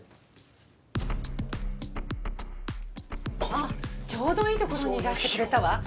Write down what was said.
あっちょうどいいところにいらしてくれたわ。